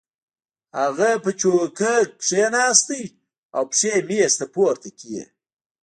هغه په چوکۍ کېناست او پښې یې مېز ته پورته کړې